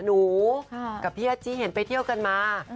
หนูกับพี่อาจี้เห็นไปเที่ยวกันมา